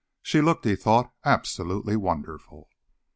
She looked, he thought, absolutely wonderful.